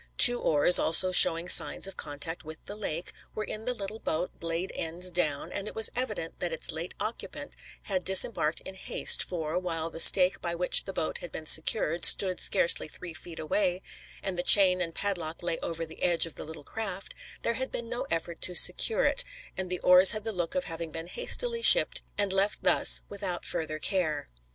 Two oars, also showing signs of contact with the lake, were in the little boat, blade ends down, and it was evident that its late occupant had disembarked in haste, for, while the stake by which the boat had been secured, stood scarcely three feet away, and the chain and padlock lay over the edge of the little craft, there had been no effort to secure it, and the oars had the look of having been hastily shipped and left thus without further care.